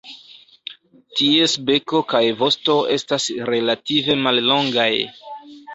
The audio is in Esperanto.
Ties beko kaj vosto estas relative mallongaj.